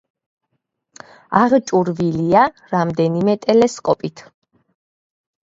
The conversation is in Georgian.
აღჭურვილია რამდენიმე ტელესკოპით.